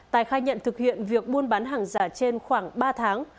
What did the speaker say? tài khai nhận thực hiện việc buôn bán hàng giả trên khoảng ba tháng